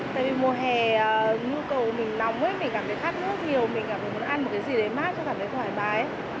tại vì mùa hè nhu cầu của mình nóng mình cảm thấy thắt nước nhiều mình cảm thấy muốn ăn một cái gì đấy mát cho cảm thấy thoải mái